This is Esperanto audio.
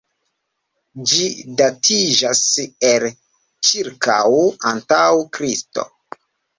Ĝi datiĝas el ĉirkaŭ antaŭ Kristo.